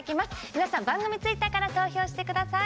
皆さん、番組ツイッターから投票してください。